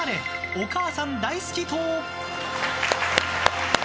お母さん大好き党！